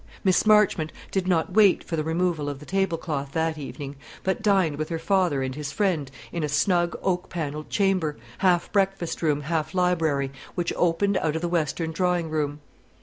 Mary Marchmont did not wait for the removal of the table cloth that evening, but dined with her father and his friend in a snug oak panelled chamber, half breakfast room, half library, which opened out of the western drawing room.